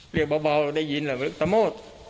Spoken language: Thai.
เรียกเบาได้ยินเหรอสมมุติ